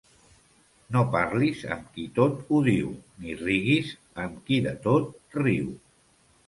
No parlis amb qui tot ho diu, ni riguis amb qui de tot riu.